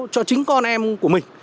cho chính con em của mình